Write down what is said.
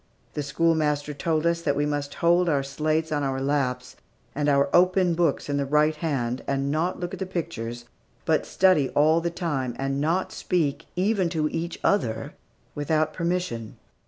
The schoolmaster told us that we must hold our slates on our laps, and our open books in the right hand, and not look at the pictures, but study all the time, and not speak, even to each other, without permission.